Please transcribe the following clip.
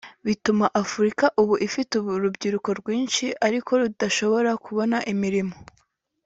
bituma Africa ubu ifite urubyiruko rwinshi ariko rudashobora kubona imirimo